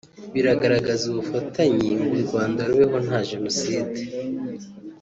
bigaragaza ubufatanye ngo u Rwanda rubeho nta jenoside